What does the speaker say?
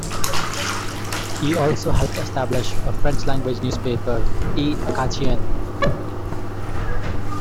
He also helped establish a French language newspaper "l'Acadien".